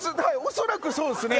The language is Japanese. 恐らくそうですね。